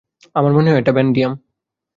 আমার মনে হয় এটা ভ্যানাডিয়াম!